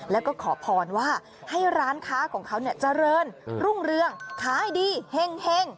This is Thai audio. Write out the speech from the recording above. แล้วก็ขอพรว่าให้ร้านค้าของเขาเจริญรุ่งเรืองขายดีเห็ง